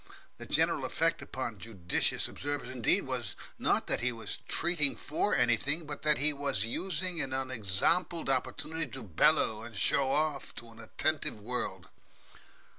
The general effect upon judicious observers, indeed, was not that he was treating for anything, but that he was using an unexampled opportunity to bellow and show off to an attentive world.